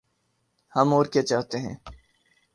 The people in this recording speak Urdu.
ہم اور کیا چاہتے ہیں۔